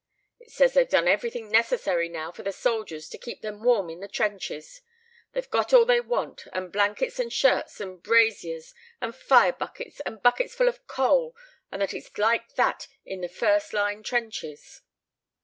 "It says they've done everything necessary now for the soldiers, to keep them warm in the trenches. They've got all they want, and blankets and shirts and brasiers and fire buckets and bucketsful of coal; and that it's like that in the first line trenches."